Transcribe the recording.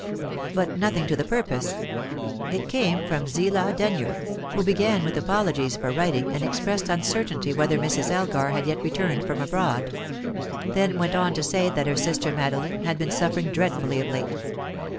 But nothing to the purpose. It came from Zillah Denyer, who began with apologies for writing, and expressed uncertainty whether Mrs. Elgar had yet returned from abroad; then went on to say that her sister Madeline had been suffering dreadfully of late.